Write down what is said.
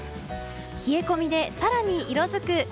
冷え込みで、更に色づく。